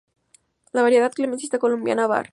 La variedad "Clematis columbiana" var.